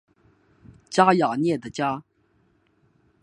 加雅涅的家。